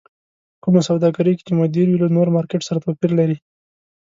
کومه سوداګرۍ کې چې مدير وي له نور مارکېټ سره توپير لري.